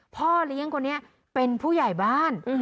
พ่อเลี้ยงคนนี้เป็นผู้ใหญ่บ้าน